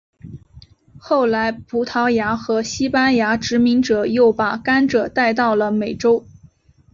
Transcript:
后来葡萄牙和西班牙殖民者又把甘蔗带到了美洲。